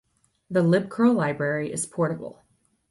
The libcurl library is portable.